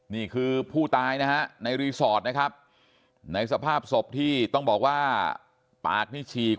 นี่คือผู้ตายนะฮะในรีสอร์ทนะครับในสภาพศพที่ต้องบอกว่าปากนี่ฉีก